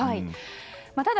ただ、